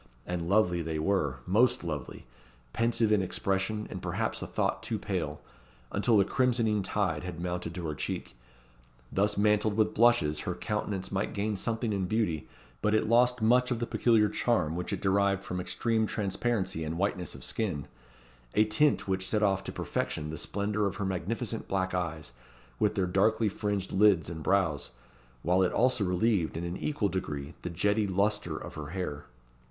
And lovely they were most lovely! pensive in expression, and perhaps a thought too pale, until the crimsoning tide had mounted to her cheek. Thus mantled with blushes, her countenance might gain something in beauty, but it lost much of the peculiar charm which it derived from extreme transparency and whiteness of skin a tint which set off to perfection the splendour of her magnificent black eyes, with their darkly fringed lids and brows, while it also relieved, in an equal degree, the jetty lustre of her hair.